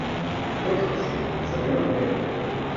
Tʰoṣkuśi besan uyoon meyarum.